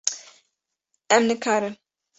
Em nikarin.